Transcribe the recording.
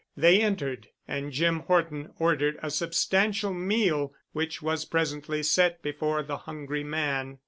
They entered and Jim Horton ordered a substantial meal which was presently set before the hungry man.